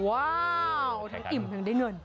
ว้าวทั้งอิ่มทั้งได้เงิน